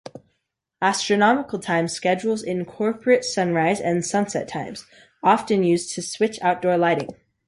Astronomical time schedules incorporate sunrise and sunset times, often used to switch outdoor lighting.